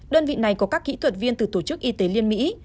đơn vị này có các kỹ thuật viên từ tổ chức y tế liên mỹ